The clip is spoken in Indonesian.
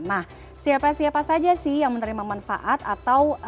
nah siapa siapa saja sih yang menerima manfaat atau